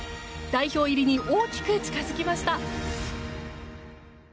代表入りに大きく近づきました。